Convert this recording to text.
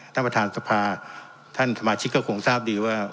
ท่านประธานสภาท่านสมาชิกก็คงทราบดีว่า